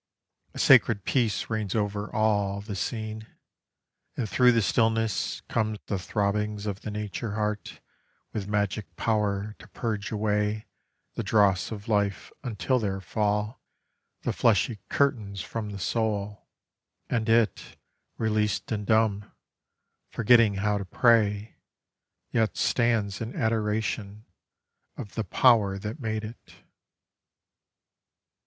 EVENING ON THE OHIO. 19 A sacred peace reigns over all The scene, and through the stillness come The throbbings of the Nature heart With magic power to purge away The dross of life until there fall The fleshy curtains from the soul, And it, released and dumb, Forgetting how to pray, Yet stands in adoration Of the Power that made it.